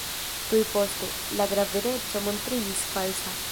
Tuj poste, la gravedeco montriĝis falsa.